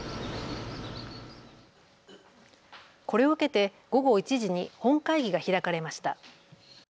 これを受けて午後１時に本会議が開かれました。